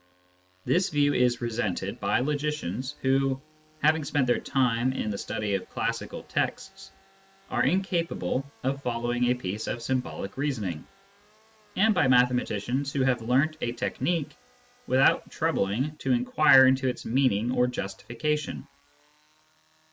This view is resented by logicians who, having spent their time in the study of classical texts, are incapable of following a piece of symbolic reasoning, and by mathematicians who have learnt a technique without troubling to inquire into its meaning or justification.